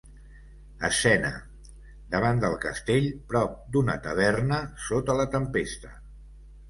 Escena: davant del castell, prop d'una taverna, sota la tempesta.